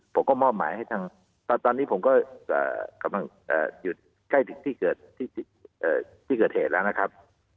ผมก็มอบหมายให้ทางตอนนี้ผมก็กำลังอยู่ใกล้ถึงที่เกิดเหตุแล้วนะครับ